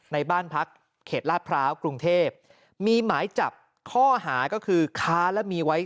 ในบ้านพักเขตลาดพร้าวกรุงเทพมีหมายจับข้อหาก็คือค้าและมีไว้